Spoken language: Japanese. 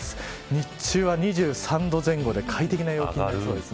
日中は２３度前後で快適な陽気になりそうです。